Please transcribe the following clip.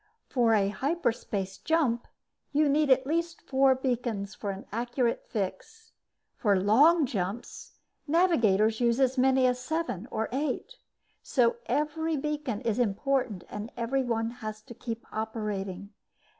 For a hyperspace jump, you need at least four beacons for an accurate fix. For long jumps, navigators use as many as seven or eight. So every beacon is important and every one has to keep operating.